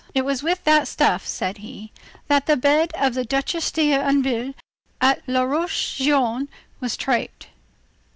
—"It was with that stuff," said he, "that the bed of the Duchesse d'Anville at la Roche Guyon was draped."